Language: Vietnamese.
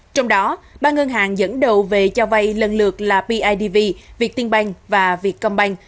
trong đó ba ngân hàng dẫn đầu về cho vai lần lượt là pidv việt tiên bang và việt công bang